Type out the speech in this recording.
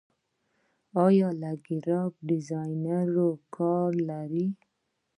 آیا ګرافیک ډیزاینران کار لري؟